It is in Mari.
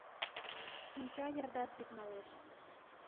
Шинча йырдат вӱд налеш.